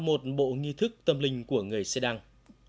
một bộ nghi thức tâm linh của người xe đăng